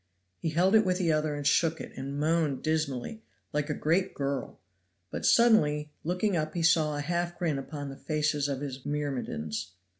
He held it with the other and shook it, and moaned dismally, like a great girl; but suddenly looking up he saw a half grin upon the faces of his myrmidons.